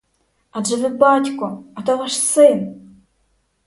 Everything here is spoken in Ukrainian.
Адже ви батько, а то ваш син!